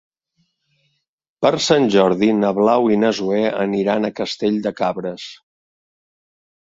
Per Sant Jordi na Blau i na Zoè aniran a Castell de Cabres.